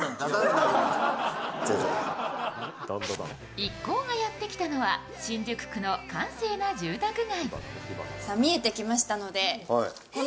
一行がやってきたのは新宿区の閑静な住宅街。